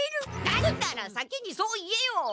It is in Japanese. だったら先にそう言えよ！